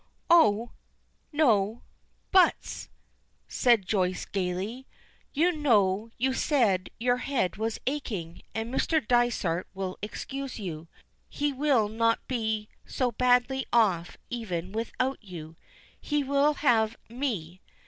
"Oh! no 'buts,'" says Joyce gaily. "You know you said your head was aching, and Mr. Dysart will excuse you. He will not be so badly off even without you. He will have me!"